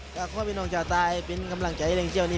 ถ้าพ่อพี่น้องจะตายเป็นกำลังใจแรงเที่ยวนี้